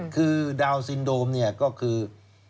คือดาวน์ซินโดรมก็คือ